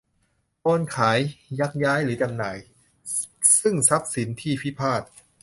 โอนขาย ยักย้ายหรือจำหน่าย ซึ่งทรัพย์สินที่พิพาท